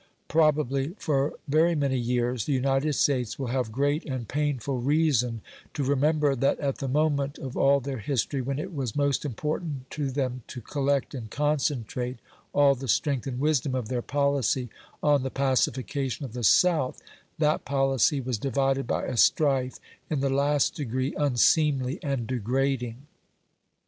Probably for very many years the United States will have great and painful reason to remember that at the moment of all their history, when it was most important to them to collect and concentrate all the strength and wisdom of their policy on the pacification of the South, that policy was divided by a strife in the last degree unseemly and degrading.